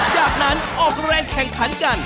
จากนั้นออกแรงแข่งขันกัน